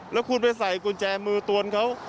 แล้วคุณไปใส่กุญแจมือตวนเขา